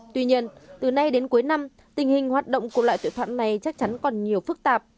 tuy nhiên từ nay đến cuối năm tình hình hoạt động của loại tội phạm này chắc chắn còn nhiều phức tạp